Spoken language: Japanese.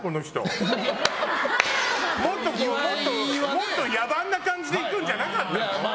もっと野蛮な感じで行くんじゃなかったの？